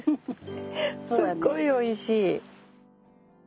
すっごいおいしい。